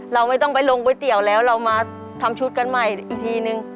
เราไม่ต้องไปลงก๋วยเตี๋ยวแล้วเรามาทำชุดกันใหม่อีกทีนึง